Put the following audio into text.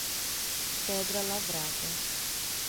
Pedra Lavrada